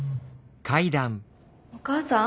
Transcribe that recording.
お母さん？